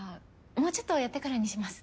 もうちょっとやってからにします。